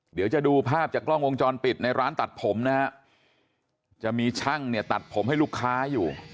เดี๋ยวจะดูภาพจากกล้องวงจรปิดในร้านตัดผมนะฮะจะมีช่างเนี่ยตัดผมให้ลูกค้าอยู่